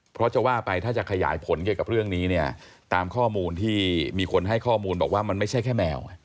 เพราะจะว่าไปถ้าจะขยายผลเกี่ยวกับเรื่องนี้เนี่ยตามข้อมูลที่มีคนให้ข้อมูลบอกว่ามันไม่ใช่แค่แมว